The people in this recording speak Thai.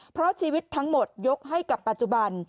เพราะชีวิตทั้งหมดยกให้กับปัจจุบัน